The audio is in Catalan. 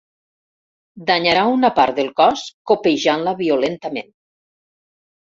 Danyarà una part del cos copejant-la violentament.